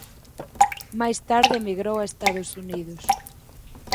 Máis tarde emigrou a Estados Unidos.